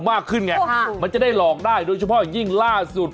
มากขึ้นไงมันจะได้หลอกได้โดยเฉพาะอย่างยิ่งล่าสุด